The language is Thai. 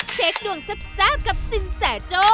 เชฟดวงซับกับสินแสโจ